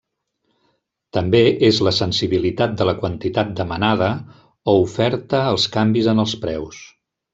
També és la sensibilitat de la quantitat demanada o oferta als canvis en els preus.